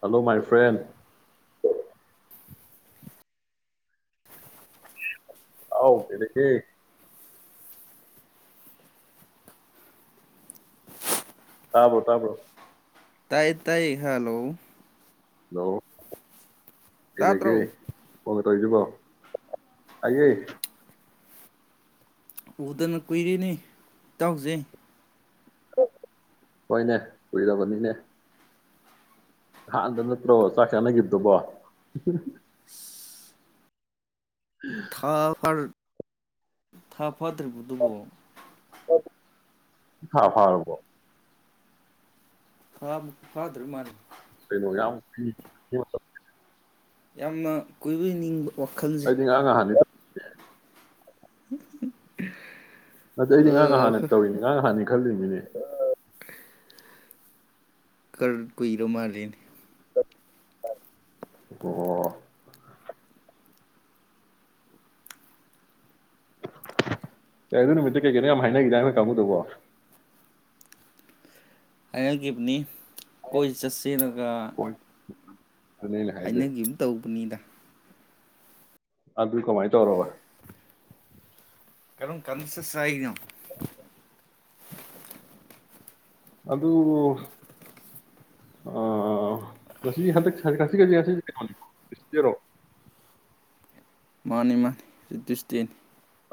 hello my friend how ꯀꯦꯔ ꯇꯥꯕꯣ ꯇꯥꯕ꯭ꯔꯣ ꯇꯥꯏ ꯇꯥꯏ ꯍꯂꯣ ꯑꯎ ꯏꯗꯒꯤꯦ ꯇꯥꯗ꯭ꯔꯣ ꯇꯣꯏꯖꯕ ꯑꯦ ꯎꯗꯅ ꯀꯨꯏꯔꯤꯅꯤ ꯏꯇꯥꯎꯖꯩ ꯍꯣꯏꯅꯦ ꯀꯨꯏꯔꯕꯅꯤꯅꯦ ꯍꯗ ꯅꯠꯇ꯭ꯔꯣ ꯆꯥ ꯅꯒꯤꯗꯨꯣꯕ ꯎ ꯊꯥ ꯐꯥꯗ꯭ꯔꯤꯕꯨ ꯗꯕꯣ ꯍ ꯐꯥꯎꯔꯕꯣ ꯐꯕ ꯐꯥꯗꯔ ꯃꯥꯅꯤ ꯀꯩꯅꯩꯅ ꯌꯥꯝ ꯌꯥꯝꯅ ꯀꯨꯏꯕ ꯅꯤꯡꯕ ꯋꯥꯈꯜꯁꯦ ꯑꯩꯗꯤ ꯉꯍꯥꯡ ꯉꯍꯥꯟꯅꯤ [unintelligible] [unintelligible] ꯑꯗꯨꯗ ꯑꯩꯗꯤ ꯉꯥꯡꯥꯟꯅ ꯇꯧꯔꯤꯅꯤ ꯉꯉꯥꯡ ꯍꯥꯟꯅꯉ ꯈꯜꯃꯤꯅꯦ ꯀꯔ ꯀꯏꯔꯣ ꯃꯥꯔꯗꯅꯤ ꯑꯣ ꯌꯥ ꯑꯗꯨ ꯅꯨꯃꯤꯠꯇ ꯀꯩꯀꯩꯅꯣ ꯌꯥꯝ ꯍꯥꯏꯅꯈꯤꯗ ꯅꯪꯅ ꯀꯥꯡꯃꯨ ꯇꯧꯕꯣ ꯑꯅꯜꯒꯤꯞꯅꯤ ꯀꯣꯏ ꯆꯠꯁꯤꯔꯒ ꯑꯗꯨꯅꯦ ꯍꯥꯏꯁꯦ ꯑꯩꯅ ꯀꯔꯤꯝ ꯇꯧꯕꯅꯤꯗ ꯑ ꯑꯗꯨꯜꯀꯣ ꯃꯥꯥꯏ ꯇꯔꯣꯕ ꯀꯝ ꯀꯟꯁ ꯁꯍꯤꯗ ꯑꯗꯨ ꯉꯁꯤ ꯍꯟꯗꯛ ꯉꯁꯤ ꯈꯁꯤ ꯉꯁꯤ ꯀꯩꯅꯣꯅꯤꯣꯔꯣ ꯃꯥꯅꯤ ꯏꯃ ꯔꯤꯇꯁꯇꯦꯟ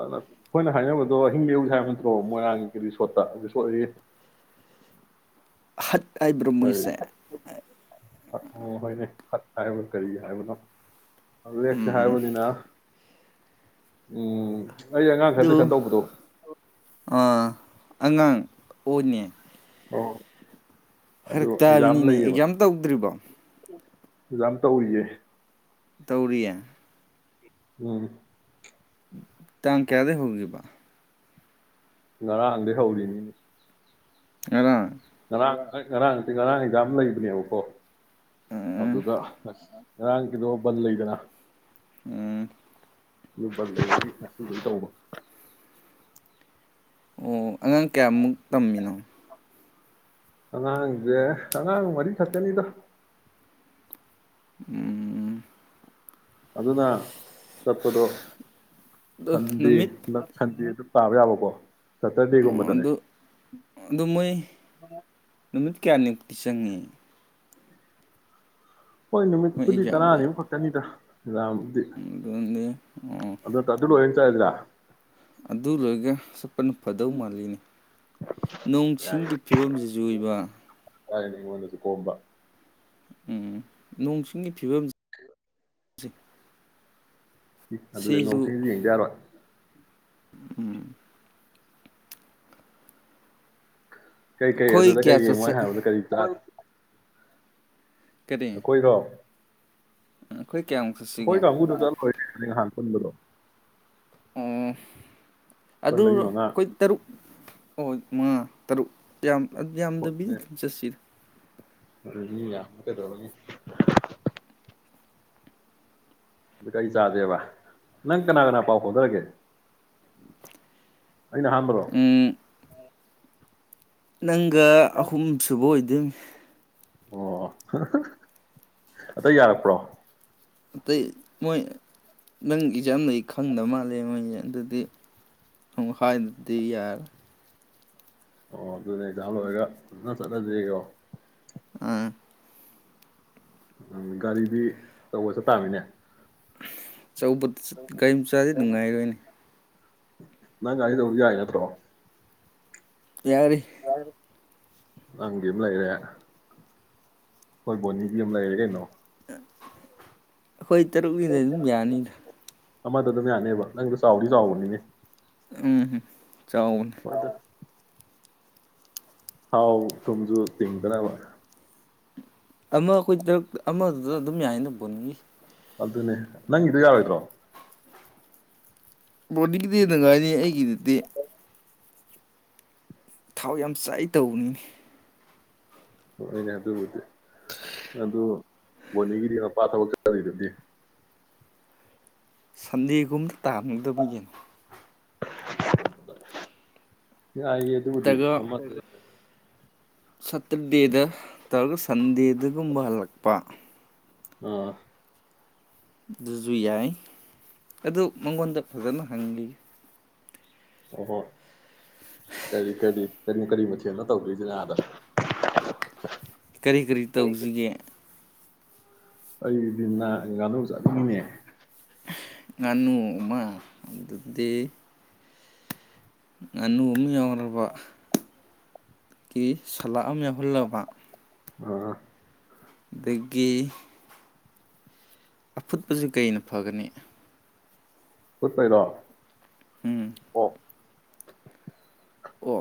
ꯑꯗꯨꯅ ꯑꯩꯈꯣꯏꯅ ꯍꯥꯏꯅꯕꯗꯣ ꯍꯤꯡꯡꯂꯧꯁꯦ ꯍꯥꯏꯕ ꯅꯠꯇ꯭ꯔꯣ ꯃꯣꯏꯔꯥꯡꯒꯤꯒꯤ ꯔꯤꯁꯣꯠꯇ ꯔꯤꯁꯣꯠꯏ ꯍꯠ ꯑꯩꯥꯏꯕ꯭ꯔꯣꯃꯨꯣꯏ ꯁꯦ ꯍꯠ ꯎ ꯍꯣꯏꯅꯦ ꯐꯠ ꯍꯥꯏꯕꯣ ꯀꯔꯤ ꯍꯥꯏꯕꯅꯣ ꯑꯗꯨ ꯂꯦꯛꯁꯦ ꯎꯝ ꯍꯥꯏꯕꯅꯤꯅ ꯎꯝ ꯑꯩ ꯑꯉꯥꯡ ꯈꯔ ꯑꯗꯨ ꯇꯨꯏꯁꯟ ꯇꯧꯕꯗꯣ ꯑꯥ ꯑꯉꯥꯡ ꯑꯣꯅꯦ ꯑ ꯐꯔꯛ ꯇꯥꯕꯅꯤꯅꯦ ꯑꯦꯛꯖꯥꯝ ꯇꯧꯗ꯭ꯔꯤꯕꯣ ꯖꯝ ꯇꯧꯦ ꯇꯧꯔꯤꯌꯥ ꯎꯝ ꯇꯥꯡ ꯀꯌꯥꯗ ꯍꯒꯦ ꯄꯕꯥ ꯉꯔꯥꯡꯗꯒꯤꯩ ꯍꯧꯔꯤꯅꯤꯅꯦ ꯑꯗ ꯉꯔꯥꯡ ꯉꯔꯥꯡ ꯉꯔꯥꯡ ꯍꯖꯝ ꯂꯩꯕꯅꯦꯕꯀꯣ ꯎꯝ ꯑꯗꯨꯗ ꯑꯁ ꯉꯔꯥꯡꯒꯤꯗꯣ ꯕꯟ ꯂꯩꯗꯅ ꯎꯝ ꯑꯗꯨ ꯇ ꯑꯣ ꯑꯉꯥꯡ ꯀꯌꯥꯃꯨꯛ ꯇꯝꯃꯤꯅꯣ ꯑꯉꯥꯡꯁꯦ ꯑꯉꯥꯡ ꯃꯔꯤ ꯁꯛꯇꯅꯤꯗꯣ ꯎꯝ ꯑꯗꯨꯅ ꯆꯠꯄꯗꯣ ꯑꯗꯨ ꯊꯟꯗꯤ ꯅꯨꯃꯤꯠ ꯑꯗꯨ ꯇꯥꯕ ꯌꯥꯕꯀꯣ ꯆꯠ ꯑꯗꯨꯗ ꯑꯗꯨ ꯃꯣꯏ ꯅꯨꯃꯤ ꯀꯌꯥꯅꯤꯃꯨꯛꯇꯤ ꯆꯪꯏ ꯍꯣꯏ ꯃꯣꯏ ꯅꯨꯃꯤꯠꯄꯨꯗꯤ ꯑꯦꯛꯖꯥꯝꯁꯦ ꯇꯔꯥꯅꯤꯃ ꯈꯛꯇꯅꯤꯗꯥ ꯗꯤ ꯑꯗꯨꯅꯦ ꯑꯣ ꯑꯗꯨ ꯑꯗꯨꯣꯏꯅ ꯆꯂꯗ꯭ꯔꯥ ꯑꯗꯨ ꯂꯣꯏꯒ ꯁꯄꯅ ꯐꯗꯧ ꯃꯥꯜꯂꯤꯅꯤ ꯅꯣꯡ ꯆꯤꯡ ꯐꯤꯕꯝꯁꯤ ꯆꯨꯏꯕ ꯇꯥꯏꯅꯤ ꯑꯣꯏꯟꯅꯁꯨ ꯀꯣꯝꯕ ꯎꯝ ꯅꯣꯡ ꯆꯤꯡꯒꯤ ꯐꯤꯕꯝ ꯀ ꯭ꯌꯨꯖꯤꯛ ꯑꯗꯨꯗꯤ ꯅꯣꯡ ꯆꯤꯡꯗꯤ ꯌꯦꯡꯗꯤ ꯌꯥꯔꯣꯏ ꯎꯝ ꯀꯩꯀꯩ ꯑꯩꯈꯣꯏ ꯑꯗꯨꯗ ꯀꯩ ꯀꯌꯥ ꯌꯦꯡꯉꯣ ꯆꯠꯁꯦ ꯍꯥꯏꯕꯗ ꯀꯔꯤ ꯆꯥ ꯀꯔꯤ ꯑꯩꯈꯣꯏꯔꯣ ꯑꯩꯈꯣꯏ ꯀꯌꯥꯃꯨꯛ ꯍꯣꯏ ꯆꯠꯁꯤꯒꯦ ꯇꯝ ꯍꯗꯖꯜ ꯑꯣꯏ ꯍꯥꯟ ꯆꯗꯅꯣ ꯑꯣ ꯑꯗꯨ ꯃꯔꯤ ꯃꯉꯥ ꯑꯩꯈꯣꯏ ꯇꯔꯨꯛ ꯑꯣ ꯃꯉꯥ ꯇꯔꯨꯛ ꯌꯥꯝꯌꯥꯝ ꯑꯗꯤ ꯑ ꯑꯃꯗꯕꯤ ꯆꯁꯤꯔ ꯌꯥ ꯀꯦꯗꯧꯒꯦ ꯑ ꯀꯔꯤ ꯆꯥꯗꯦꯕ ꯅꯪ ꯀꯅꯥ ꯀꯅꯥ ꯄꯥꯎ ꯐꯥꯎꯅꯔꯒꯦ ꯑꯩꯅ ꯑꯍꯥꯟꯕꯗꯣ ꯎꯝ ꯅꯪꯒ ꯑꯍꯨꯝꯁꯨꯨꯕ ꯑꯣꯏ ꯑꯗꯨꯝ ꯑꯣ ꯑꯇ ꯌꯥꯔꯛꯄ꯭ꯔꯣ ꯑꯇꯩ ꯃꯣꯏ ꯅꯪ ꯑꯦꯛꯖꯥꯝꯗ ꯈꯪꯗꯕ ꯃꯥꯜꯂꯦ ꯃꯣꯏꯁꯦ ꯑꯗꯨꯗꯤ ꯍꯥꯏꯗꯗꯤ ꯌꯥꯔꯦ ꯑꯣ ꯑꯗꯨꯅꯦ ꯅꯍꯥꯟ ꯑꯣꯏꯔꯒ ꯐꯖꯅ ꯆꯠꯅꯗ꯭ꯔꯤꯀꯣ ꯑ ꯎ ꯒꯥꯔꯤꯗꯤ ꯑꯆꯧꯕ ꯆꯠ ꯇꯥꯃꯤꯅꯦ [unintelligible] ꯑꯆꯧꯕꯗ ꯒꯥꯔꯤꯝꯆꯥꯗꯤ ꯅꯨꯡꯉꯥꯏꯔꯣꯏꯅꯤ ꯅꯪ ꯒꯥꯔꯤꯗꯧꯗꯤ ꯌꯥꯏ ꯅꯠꯇ꯭ꯔꯣ ꯌꯥꯔꯤ ꯅꯪꯒꯤ ꯑꯃ ꯂꯩꯔꯦ ꯍꯣꯏ ꯕꯣꯅꯤꯒꯤ ꯑꯃ ꯂꯩꯔꯦ ꯀꯩꯅꯣ [unintelligible] ꯑꯩꯈꯣꯏ ꯇꯔꯨꯛꯀꯤꯗ ꯑꯗꯨꯝ ꯌꯥꯅꯤꯗ ꯑꯃꯗ ꯑꯗꯨꯝ ꯌꯥꯅꯦꯕ ꯅꯪꯗ ꯆꯥꯎꯗꯤ ꯆꯥꯎꯕꯅꯤꯅꯦ ꯎꯝꯝ ꯆꯥꯎꯋꯟ ꯍꯥꯎ ꯊꯨꯝꯁꯨ ꯇꯤꯡꯗꯅꯕ ꯑꯃ ꯑꯩꯈꯣꯏ ꯇ ꯑꯃꯗꯨꯗ ꯑꯗꯨꯝ ꯌꯥꯏꯅ ꯄꯨꯟꯒꯤ ꯑꯗꯨꯅꯦ ꯅꯪꯒꯤꯗꯣ ꯌꯥꯔꯣꯏꯗ꯭ꯔꯣ ꯣꯗꯤꯒꯤ ꯑꯗꯨꯗꯤꯗꯉꯥꯏꯅꯤ ꯑꯩꯒꯤꯗꯗꯤ ꯊꯥꯎ ꯌꯥꯝ ꯆꯥꯏ ꯇꯧꯕꯅꯤꯅꯦ ꯍꯣꯏꯅꯦ ꯑꯗꯨꯕꯨꯗꯤ ꯑꯗꯨ ꯕꯣꯅꯤꯒꯤꯗꯤ ꯃꯄꯥ ꯊꯕꯛ ꯆꯔꯤꯗꯗꯤ ꯁꯟꯗꯦꯒꯨꯝꯗ ꯇꯥꯅꯤꯡꯗꯕꯒꯤꯅ [unintelligible] ꯑꯗꯨꯕꯨꯗꯤ ꯅꯠꯇ꯭ꯔꯒ ꯁꯇꯔꯗꯦꯗ ꯇꯧꯔꯒ ꯁꯟꯗꯦꯗꯒꯨꯝꯕ ꯍꯜꯂꯛꯄ ꯑ ꯑꯗꯨꯁꯨ ꯌꯥꯏ ꯑꯗꯨ ꯃꯉꯣꯟꯗ ꯐꯖꯅ ꯍꯪꯈꯤ ꯑꯍꯣ ꯀꯔꯤ ꯀꯔꯤ ꯀꯔꯤꯣ ꯀꯔꯤ ꯃꯊꯦꯜꯅ ꯇꯧꯗꯣꯏꯁꯦ ꯉꯥꯗ ꯀꯔꯤ ꯀꯔꯤ ꯇꯧꯁꯤꯒꯦ ꯑꯩ ꯃꯤꯅ ꯉꯗꯣꯛ ꯆꯠꯀꯅꯤꯡꯅꯦ ꯉꯥꯅꯨꯃ ꯑꯗꯨꯗꯤ ꯉꯟꯅꯨ ꯎꯃꯤ ꯌꯥꯎ꯭ꯔꯔꯕ ꯀꯤ ꯁꯂꯥ ꯑꯃ ꯌꯥꯎꯍꯜꯂꯕ ꯑꯥ ꯗꯒꯤ ꯑꯐꯨꯠꯄꯁꯤ ꯀꯩꯅ ꯐꯒꯅꯤ ꯠꯔꯣ ꯎꯝ ꯑꯣ ꯑꯣ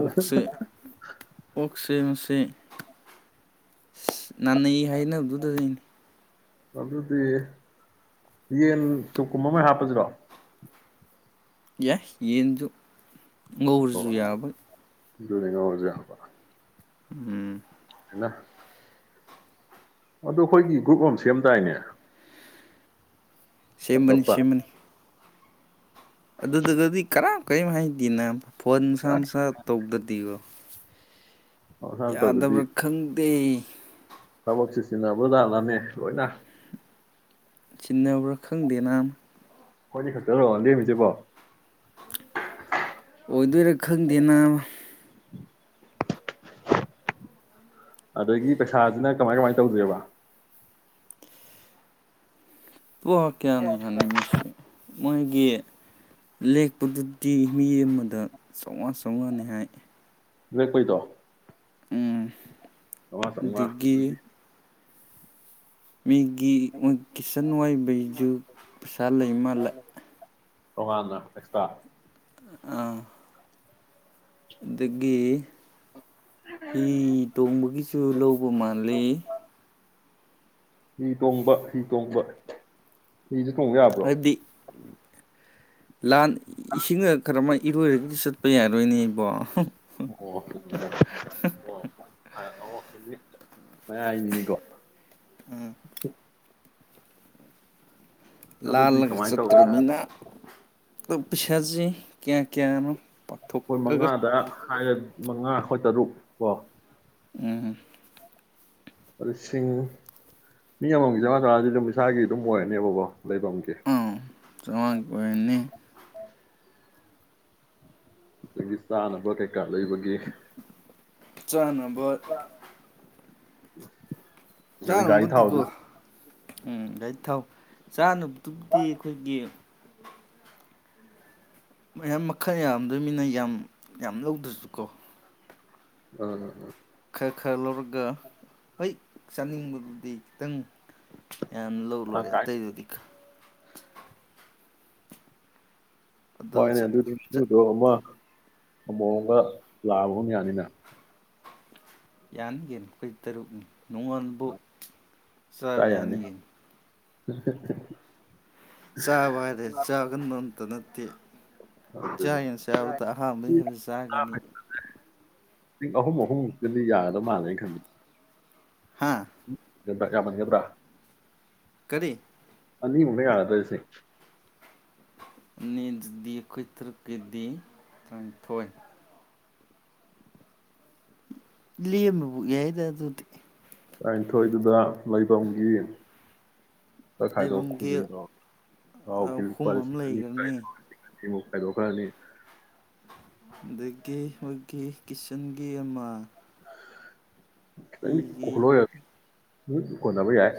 ꯑꯣꯛꯁꯦ ꯑꯣꯛꯁꯦ ꯁ ꯅꯥꯅꯩ ꯍꯥꯏꯅꯕꯗꯨꯗꯅꯤ ꯑꯗꯨꯗꯤ ꯌꯦꯟ ꯆꯨꯞꯀꯨꯝꯕ ꯑꯃ ꯍꯥꯞꯄꯁꯤꯔꯣ ꯌꯥ ꯌꯦꯁꯨꯨ ꯉꯧꯔꯖꯨ ꯌꯥꯕꯣꯏ ꯑꯗꯨꯉꯩ ꯉꯧꯔꯖꯨ ꯌꯕꯥ ꯎꯝ [unintelligible] ꯑꯗ ꯑꯩꯈꯣꯏꯒꯤ ꯒ꯭ꯔꯨꯞ ꯑꯃ ꯁꯦꯝꯗꯥꯏꯅꯦ ꯁꯦꯝꯕꯅꯤ ꯋꯥꯆꯞꯇ ꯁꯦꯝꯕꯅꯤ ꯑꯗꯨ ꯑꯗꯨ ꯑꯗꯨꯒ ꯀꯥ ꯀꯣꯏ ꯃꯍꯥꯏꯗꯤꯅ ꯐꯣꯟ ꯃꯁꯥ ꯃꯥꯁꯥ ꯇꯧꯗꯗꯤꯕ ꯃꯁꯥꯅ ꯌꯥꯗꯕ꯭ꯔꯥ ꯈꯪꯗꯦ ꯊꯕꯛ ꯁꯤꯖꯤꯟꯅꯕ ꯂꯛꯂꯅꯦ ꯂꯣꯏꯅ ꯁꯤꯅꯕꯕ꯭ꯔꯥ ꯈꯪꯗꯦꯅ ꯈꯣꯏꯅꯦ ꯈꯛꯇꯔꯣ ꯂꯦꯝꯃꯤꯁꯤꯕꯣ ꯑꯣꯏꯗꯣꯏꯔꯥ ꯈꯪꯗꯦꯅ ꯑꯗꯒꯤ ꯄꯩꯁꯥꯁꯤꯅ ꯀꯃꯥꯏ ꯀꯃꯥꯏꯅ ꯇꯧꯗꯣꯏꯦꯕ [unintelligible] ꯃꯣꯏꯒꯤ ꯂꯦꯛꯄꯗꯨꯗꯤ ꯃꯤ ꯑꯃꯗ ꯆꯥꯝꯃꯉꯥ ꯆꯥꯝꯃꯉꯥꯅꯤ ꯍꯥꯏ ꯂꯦꯛꯄꯩꯗꯣ ꯎꯝ ꯆꯪꯑꯋꯥ ꯑꯗꯒꯤ ꯃꯤꯒꯤ ꯀꯤꯆꯟ ꯋꯥꯏꯕꯩꯖꯨ ꯄꯩꯁꯥ ꯂꯩ ꯃꯥꯜꯂꯦ ꯇꯣꯉꯥꯟꯅ ꯑꯦꯛꯁꯇ꯭ꯔꯥ ꯑꯥ ꯑꯗꯒꯤ ꯍꯤ ꯇꯣꯡꯕꯒꯤꯁꯨ ꯂꯧꯕ ꯃꯥꯜꯂꯤ ꯍꯤ ꯇꯣꯡꯕ ꯍꯤ ꯇꯣꯡꯕ ꯍꯤꯁꯨ ꯇꯣꯡ ꯌꯥꯕ꯭ꯔꯣ ꯍꯥꯏꯕꯗꯤ ꯂꯥꯟ ꯏꯁꯤꯡ ꯈꯔ ꯑꯃ ꯏꯔꯣꯏꯔꯒꯗꯤ ꯆꯠꯄ ꯌꯥꯅꯤ ꯑꯗꯨꯏꯅꯤꯕ ꯑꯣ ꯑꯣ ꯃꯤ ꯃ ꯍꯥꯏꯅꯤꯅꯤꯀꯣ [unintelligible] ꯑꯗꯨꯗꯤ ꯂꯥꯜꯂꯒ ꯀꯃꯥꯏꯅ ꯇꯧꯕ ꯄꯩꯁꯥꯁꯦ ꯆꯠꯇ꯭ꯔꯃꯤꯅ ꯄꯩꯁꯥꯁꯦ ꯀꯌꯥ ꯀꯌꯥꯅꯣ ꯑꯩꯈꯣꯏ ꯄꯥꯊꯣꯛꯑꯒ ꯃꯉꯥꯗ ꯍꯥꯏ ꯃꯉꯥ ꯈꯣꯏ ꯇꯔꯨꯛ ꯀꯣ ꯎꯝ ꯂꯤꯁꯤꯡ ꯃꯤ ꯑꯃꯃꯝꯒꯤ ꯆꯥꯝꯃꯉꯥ ꯆꯥꯝꯃꯉꯥꯗꯤ ꯑꯗꯨꯝ ꯏꯁꯥꯒꯤ ꯑꯗꯨꯝ ꯑꯣꯏꯔꯅꯦꯕꯀꯣ ꯂꯩꯕꯝꯒꯤ ꯆꯃ ꯀꯣꯏꯅꯤ [unintelligible] ꯀꯥꯔꯠ ꯂꯩꯕꯒꯤ ꯆꯥꯅꯝ ꯕꯔꯠ ꯎꯝ [inaudible] ꯆꯥꯔꯝꯕꯨꯗꯤ ꯒꯣ ꯎꯝ ꯑꯩ ꯊꯥꯎ ꯆꯥꯅꯝꯗꯨꯕꯨꯗꯤ ꯈꯣꯏꯒꯤ ꯃꯌꯥꯝ ꯃꯈꯜ ꯌꯥꯝꯗꯣꯏꯃꯤꯅ ꯌꯥꯝ ꯌꯥꯝ ꯂꯧꯗ꯭ꯔꯁ ꯁꯨꯀꯣ ꯑꯥ ꯑꯥ ꯑꯥ ꯑ ꯈꯔ ꯉꯧꯔ [inaudible] ꯒ ꯍꯣꯏ ꯆꯥꯅꯤꯡꯕꯗꯨꯗꯤ ꯈꯤꯇꯪ ꯌꯥꯝꯅ ꯂꯧꯔꯕ ꯑ ꯂꯣꯏꯔꯦ ꯀꯥꯏ ꯑꯇꯩꯩꯗꯨꯗꯤ ꯑꯗꯣ ꯍꯣꯏꯅꯦ ꯑꯗꯨꯗꯤ ꯁꯨꯗ ꯑꯃ ꯑꯃꯣꯝ ꯑꯃ ꯒꯥ ꯂꯥꯕꯥ ꯑꯃ ꯒꯅꯥ ꯌꯥꯅꯤꯅ ꯌꯥꯟꯅꯤ ꯀꯔꯤꯅꯣ ꯑꯩꯈꯣꯏ ꯇꯔꯨꯛꯅꯤ ꯅꯨꯡꯉꯥꯜꯕꯨꯛ ꯆꯥꯕ ꯌꯥꯅꯤ ꯀꯩ ꯅꯣ [inaudible] ꯆꯥꯕ ꯍꯥꯢꯔꯒ ꯆꯥꯒꯟꯕ ꯇ ꯅꯠꯇ ꯑꯗꯨꯅꯦ ꯆꯥꯒꯦꯅ ꯆꯥꯕꯗ ꯑꯍꯥꯟꯕꯩ ꯈꯔ ꯆꯥꯈꯤꯅꯤ ꯄꯤꯡ ꯑꯍꯨꯝ ꯑꯍꯨꯝꯃꯨꯛꯇꯗꯤ ꯌꯥꯒꯗ ꯃꯥꯥꯟꯂꯩ ꯑꯩꯅꯥ ꯈꯟꯕꯗ ꯍꯥ ꯎꯝ ꯕ꯭ꯔꯥ ꯌꯥꯝ ꯃꯥꯟ ꯒꯗꯔꯥ ꯀꯔꯤ ꯑꯅꯤ ꯃꯨꯛꯅ ꯌꯥꯔꯗ ꯂꯤꯁꯤꯡ ꯅꯤꯗꯤ ꯑꯩꯈꯣꯏ ꯇꯥꯔꯨꯛ ꯀꯤ ꯗꯤ ꯇꯔꯥꯅꯤꯊꯣꯏ ꯂꯦꯝꯃꯕꯨ ꯌꯥꯏꯗ ꯑꯗꯨꯗꯤ ꯇꯔꯥꯅꯤꯊꯣꯏꯗꯨꯗ ꯂꯩꯐꯝꯒꯤ ꯇꯥꯈꯥꯏꯗꯣꯛ ꯂꯩꯐꯝꯒꯤ ꯈꯨꯖꯤꯟꯗꯣ ꯑꯍꯨꯝ ꯑꯦꯄꯥꯜ ꯑꯃ ꯂꯤꯁꯤꯡ ꯑꯅꯤ ꯂꯩꯈ꯭ꯔꯅꯤ ꯏꯃꯨ ꯀꯥꯏꯗꯣꯛ ꯈꯔꯥꯅꯤ ꯑꯗꯒꯤ ꯑꯩꯈꯣꯏꯒꯤ ꯀꯤꯆꯟꯒꯤ ꯑꯃ [inaudible] ꯈꯤꯇꯪꯗꯤ ꯍꯤꯒꯤ ꯀꯣꯏꯂꯣ ꯎ ꯀꯣꯟꯅꯕ ꯌꯥꯏ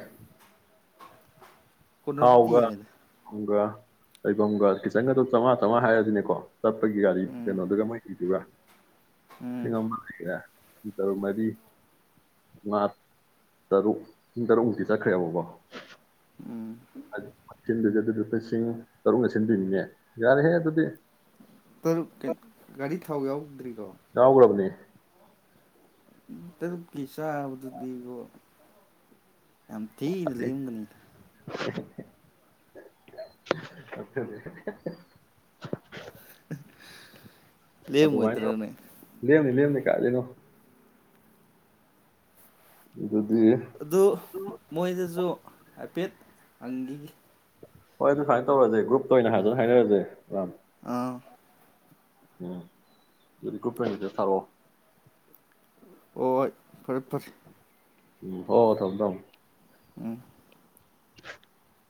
ꯀꯣꯟꯅꯕꯗꯤ ꯊꯥꯎꯒ ꯌꯥꯏꯗ ꯂꯩꯐꯝꯒ ꯀꯤꯆꯟꯒꯗꯣ ꯆꯝꯃꯉꯥ ꯆꯝꯃꯉꯥ ꯍꯥꯏꯔꯁꯤꯅꯦꯀꯣ ꯆꯠꯄꯒꯤ ꯒꯥꯔꯤ ꯎꯝ ꯀꯩꯅꯣ ꯑꯗꯨꯒ ꯃꯥꯏꯤꯗꯨꯒ ꯎꯝ ꯁꯤꯅꯃ ꯍꯥꯏꯔ ꯄꯨꯡ ꯇꯔꯨꯛ ꯃꯔꯤ ꯉꯥ ꯇꯔꯨꯛ ꯄꯨꯡ ꯇꯔꯨꯛꯃꯨꯛꯇꯤ ꯆꯠꯈ꯭ꯔꯦꯕꯀꯣ ꯎꯝ ꯍꯥꯏꯗꯤ ꯁꯤꯟꯗꯣꯏꯁꯦ ꯑꯗꯨꯗꯤ ꯂꯨꯄꯥ ꯂꯤꯁꯤꯡ ꯇꯔꯨꯛꯅ ꯁꯤꯟꯗꯣꯏꯅꯤꯅꯦ ꯌꯥꯔꯍꯦ ꯑꯗꯨꯗꯤ ꯇꯔꯨꯛ ꯒꯥꯔꯤ ꯊꯥꯎ ꯌꯥꯎꯗ꯭ꯔꯤ ꯌꯥꯎꯒ꯭ꯔꯕꯅꯦ ꯇꯔꯨꯛ ꯀꯤ ꯆꯥꯕꯥ ꯗꯨ ꯗꯤ ꯏꯕꯣ ꯌꯥꯝ ꯊꯤꯅ ꯂꯦꯝꯒꯅꯤ ꯑ [inaudible] ꯑꯗꯨ ꯂꯦꯝꯃꯣꯏꯗ꯭ꯔꯅꯦ ꯂꯝꯅꯤ ꯂꯝꯅꯤ ꯀꯥꯏꯗꯩꯅꯣ ꯎꯝ ꯑꯗꯨ ꯃꯣꯏꯗꯁꯨ ꯍꯥꯏꯐꯦꯠ ꯑꯪꯒꯤ ꯍꯣꯏ ꯑꯗꯨ ꯁꯃꯥꯏꯅ ꯇꯧꯔꯁꯦ ꯒ꯭ꯔꯨꯞꯇ ꯑꯣꯏꯅ ꯐꯖꯅ ꯍꯥꯏꯅꯔꯁꯦ ꯔꯥꯝ ꯑ ꯎꯝ ꯑꯗꯨꯗꯤ ꯒ꯭ꯔꯨꯞꯇ ꯑꫭꯏꯅ ꯃꯦꯁꯦꯁ ꯊꯔꯛꯑꯣ ꯍꫭꯏ ꯐꯔꯦ ꯐꯔꯦ ꯎꯝ ꯍꯣ ꯍꫭ ꯊꯝꯃꫭ ꯊꯝ ꯎꯝ [inaudible]